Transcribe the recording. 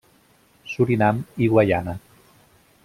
Surinam i Guaiana.